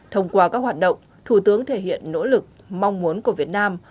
thông qua các hoạt động thủ tướng thể hiện nỗ lực mong muốn của việt nam